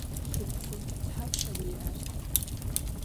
Şşıpxhu thapşşa vui'er?